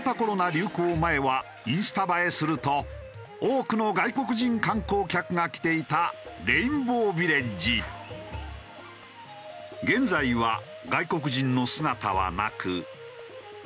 流行前はインスタ映えすると多くの外国人観光客が来ていた現在は外国人の姿はなく。